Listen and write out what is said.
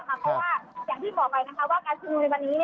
เพราะว่าอย่างที่บอกไปว่าการชุมนุมในวันนี้